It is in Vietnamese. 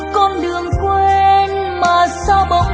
con đường quên mà sao bỗng lạ